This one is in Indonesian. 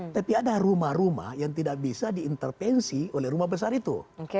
tapi ada rumah rumah yang tidak bisa diintervensi oleh rumah besar itu